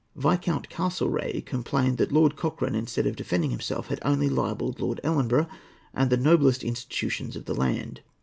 Viscount Castlereagh complained that Lord Cochrane, instead of defending himself, had only libelled Lord Ellenborough and the noblest institutions of the land.